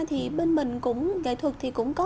thì bên mình cũng nghệ thuật thì cũng có